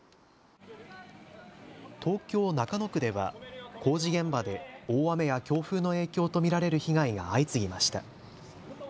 東京中野区では工事現場で大雨や強風の影響と見られる被害が相次ぎました。